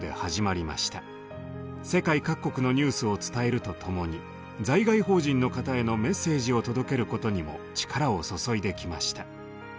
世界各国のニュースを伝えると共に在外邦人の方へのメッセージを届けることにも力を注いできました。